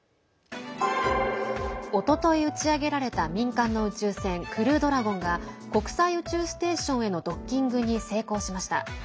おととい打ち上げられた民間の宇宙船「クルードラゴン」が国際宇宙ステーションへのドッキングに成功しました。